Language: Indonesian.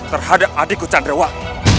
terhadap adikku candrawan